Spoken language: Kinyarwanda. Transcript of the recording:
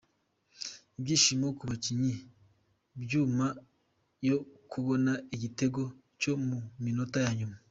Ibyishimo ku bakinnyi byuma yo kubona igitego cyo mu minota ya nyuma.